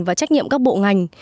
và trách nhiệm các bộ ngành